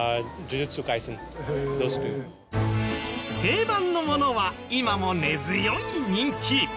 定番のものは今も根強い人気！